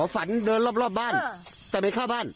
ฝันเดินรอบบ้านแต่ไปเข้าบ้าน